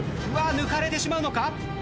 抜かれてしまうのか？